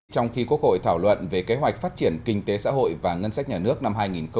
trong khi quốc hội thảo luận về kế hoạch phát triển kinh tế xã hội và ngân sách nhà nước năm hai nghìn hai mươi